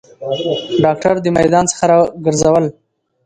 داکتر د میدان څخه راګرځول